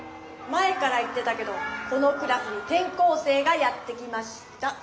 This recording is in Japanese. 前から言ってたけどこのクラスにてん校生がやって来ました。